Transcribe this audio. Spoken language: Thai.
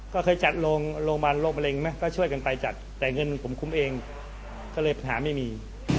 ก็เคยจัดโรงพยาบาลโรคมะเร็งไหมก็ช่วยกันไปจัดแต่เงินผมคุ้มเองก็เลยปัญหาไม่มี